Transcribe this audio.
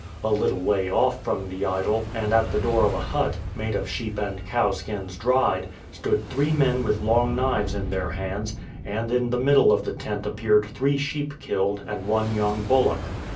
A little way off from the idol, and at the door of a hut, made of sheep and cow skins dried, stood three men with long knives in their hands; and in the middle of the tent appeared three sheep killed, and one young bullock.